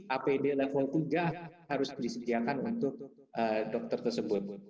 apd level tiga harus disediakan untuk dokter tersebut